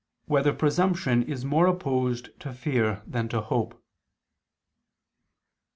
3] Whether Presumption Is More Opposed to Fear Than to Hope?